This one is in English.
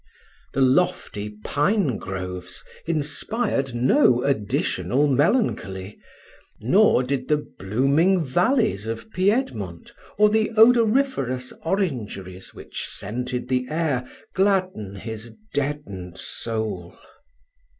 The lofty pine groves inspired no additional melancholy, nor did the blooming valleys of Piedmont, or the odoriferous orangeries which scented the air, gladden his deadened soul.